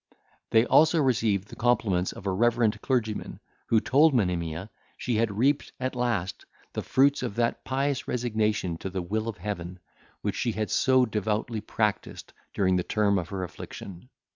They also received the compliments of a reverend clergyman, who told Monimia, she had reaped, at last, the fruits of that pious resignation to the will of Heaven, which she had so devoutly practised during the term of her affliction.